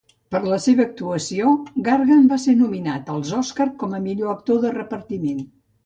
Per la seva actuació, Gargan va ser nominat als Òscar com a Millor actor de repartiment.